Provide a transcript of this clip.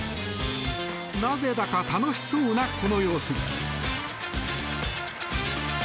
なぜだか楽しそうな、この様子。